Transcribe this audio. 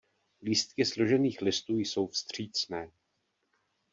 Lístky složených listů jsou vstřícné.